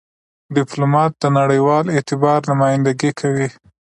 ډيپلومات د نړېوال اعتبار نمایندګي کوي.